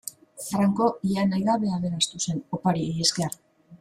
Franco ia nahi gabe aberastu zen, opariei esker.